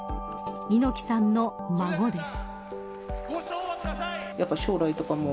猪木さんの孫です。